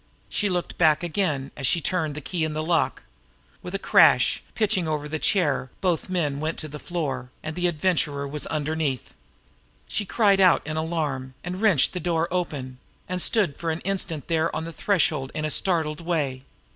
She looked back again, as she turned the key in the lock. With a crash, pitching over the chair, both men went to the floor and the Adventurer was underneath. She cried out in alarm, and wrenched the door open and stood for an instant there on the threshold in a startled way.